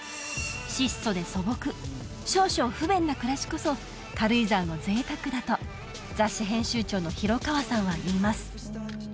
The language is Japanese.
質素で素朴少々不便な暮らしこそ軽井沢の贅沢だと雑誌編集長の広川さんは言います